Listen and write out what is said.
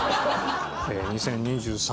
２０２３